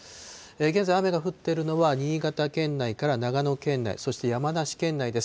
現在、雨が降ってるのは新潟県内から長野県内、そして山梨県内です。